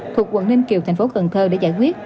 thuộc quận ninh kiều thành phố cần thơ để giải quyết